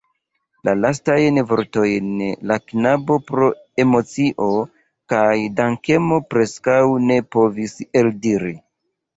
La lastajn vortojn la knabo pro emocio kaj dankemo preskaŭ ne povis eldiri.